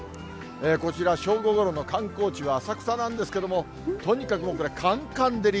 こちら、正午ごろの観光地は、浅草なんですけれども、とにかくかんかん照り。